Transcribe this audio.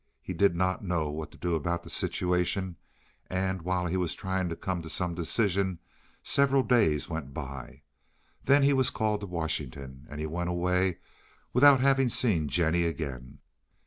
He did not know what to do about the situation, and while he was trying to come to some decision several days went by. Then he was called to Washington, and he went away without having seen Jennie again.